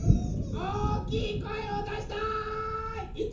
おおきいこえをだしたい！